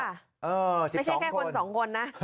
ไม่ใช่แค่คนสองคนนะ